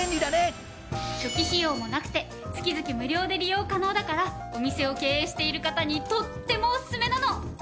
初期費用もなくて月々無料で利用可能だからお店を経営している方にとってもおすすめなの。